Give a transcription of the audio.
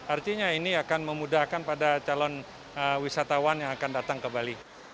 artinya ini akan memudahkan pada calon wisatawan yang akan datang ke bali